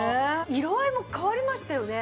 色合いも変わりましたよね。